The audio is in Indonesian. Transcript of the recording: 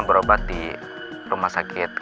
berobat di rumah sakit